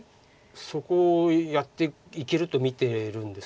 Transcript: そこをやっていけると見てるんです。